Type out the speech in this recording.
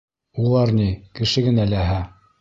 Улар ни, кеше генә ләһә!